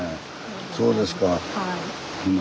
そうですかほな